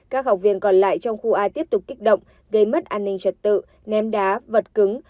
các học viên còn lại trong khu a tiếp tục kích động gây mất an ninh trật tự ném đá vật cứng